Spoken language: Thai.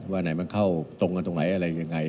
ว่าไหนมันเข้าตรงกันตรงไหนอะไรยังไง